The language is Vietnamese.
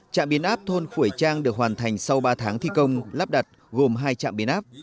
trạm biến áp thôn khuổi trang được hoàn thành sau ba tháng thi công lắp đặt gồm hai trạm biến áp